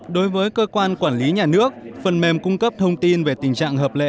đối với cơ quan quản lý nhà nước phần mềm cung cấp thông tin về tình trạng hợp lệ